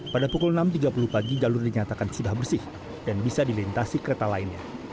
pada pukul enam tiga puluh pagi jalur dinyatakan sudah bersih dan bisa dilintasi kereta lainnya